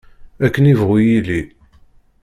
Akken ibɣu yilli.